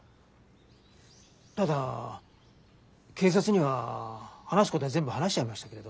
ただ警察には話すことは全部話しちゃいましたけれど。